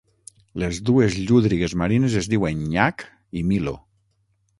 Les dues llúdrigues marines es diuen Nyac i Milo.